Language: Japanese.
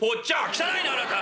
「汚いな！あなた」。